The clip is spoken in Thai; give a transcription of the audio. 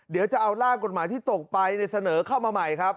เดี๋ยวจะเอาร่างกฎหมายที่ตกไปเสนอเข้ามาใหม่ครับ